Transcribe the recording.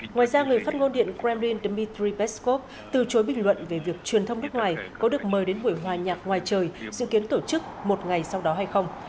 ngoài ra người phát ngôn điện kremlin dmitry peskov từ chối bình luận về việc truyền thông nước ngoài có được mời đến buổi hòa nhạc ngoài trời dự kiến tổ chức một ngày sau đó hay không